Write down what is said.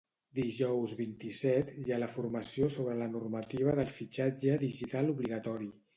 Dijous vint-i-set hi ha formació sobre la normativa del fitxatge digital obligatori